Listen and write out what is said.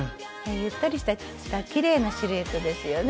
ゆったりしたきれいなシルエットですよね。